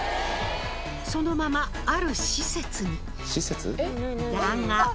そのままある施設に。